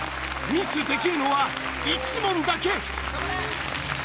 ミスできるのは１問だけ。